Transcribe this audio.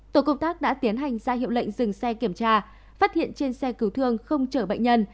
tổ công tác đã tiến hành ra hiệu lệnh dừng xe kiểm tra phát hiện trên xe cứu thương không chở bệnh nhân